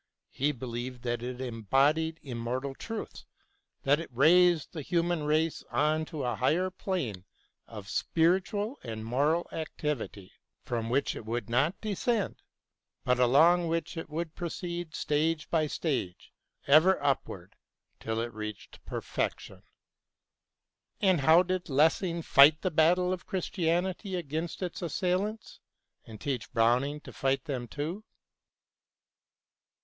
He believed that it embodied imr mortal truthSj that it raised the human race on to a higher plane of spiritual and moral activity, from which it would not descend, but along which it would proceed stage by stage ever up ward till it reached perfection. And now how did Lessing fight the battle of Christianity against its assailants, and teach Browning to fight them too